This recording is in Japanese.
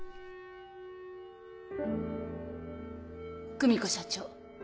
久美子社長